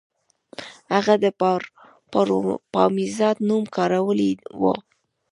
هغه د پاروپامیزاد نوم کارولی و